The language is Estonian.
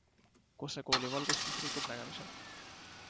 Kose kooli valgustus rikub nägemise.